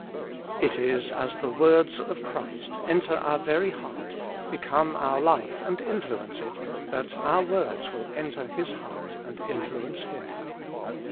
It is as the words of Christ enter our very heart, become our life and influence it, that our words will enter His heart and influence Him.